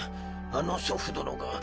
あの祖父殿が。